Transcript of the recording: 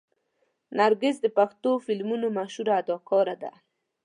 نرګس د پښتو فلمونو مشهوره اداکاره ده.